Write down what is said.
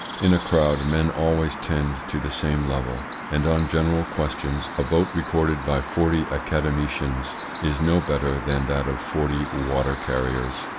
In a crowd men always tend to the same level, and, on general questions, a vote, recorded by forty academicians is no better than that of forty water carriers.